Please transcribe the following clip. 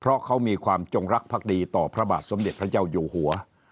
เพราะเขามีความจงรักภักดีต่อพระบาทสมเด็จพระเจ้าอยู่หัว